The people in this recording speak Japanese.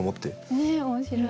ねっ面白い。